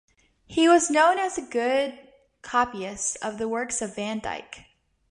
He was known as a good copyist of the works of Van Dyck.